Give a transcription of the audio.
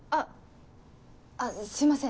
あすいません